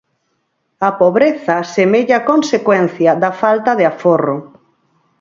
A pobreza semella consecuencia da falta de aforro.